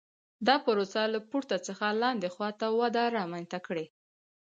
دا پروسه له پورته څخه لاندې خوا ته وده رامنځته کړي